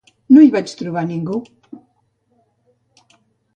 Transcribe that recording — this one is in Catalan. No hi vaig trobar ningú.